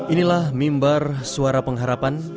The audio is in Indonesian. inilah mimbar suara pengharapan